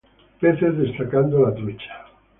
Peces destacando la trucha.